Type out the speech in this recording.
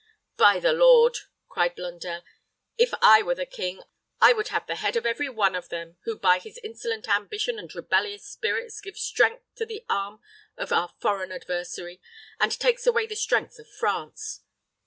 "By the Lord," cried Blondel, "if I were the king, I would have the head of every one of them, who by his insolent ambition and rebellious spirits gives strength to the arm of our foreign adversary, and takes away the strength of France.